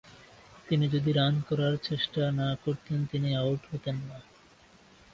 তিনি যদি রান করার চেষ্টা না করতেন, তিনি আউট হতেন না।